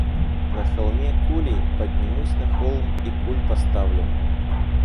На холме кули, поднимусь на холм и куль поставлю.